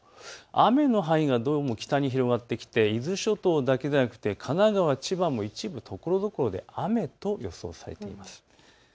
雨の範囲がどうも北に広がってきて伊豆諸島だけではなく神奈川中部、千葉も一部、ところどころで雨となります。